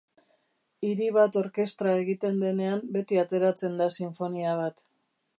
Hiri bat orkestra egiten denean, beti ateratzen da sinfonia bat.